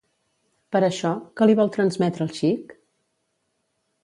Per això, que li vol transmetre el xic?